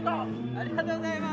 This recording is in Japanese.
ありがとうございます。